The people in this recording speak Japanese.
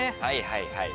はいはい。